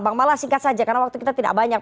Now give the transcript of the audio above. bang mala singkat saja karena waktu kita tidak banyak